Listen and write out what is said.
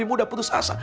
anak anak di dunia ini